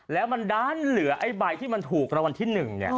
แล้วมันด้านเหลือไอ้ใบที่มันถูกรวรรณที่หนึ่ง